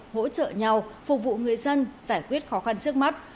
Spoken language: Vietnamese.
hỗ trợ nhau phục vụ người dân giải quyết khó khăn trước mắt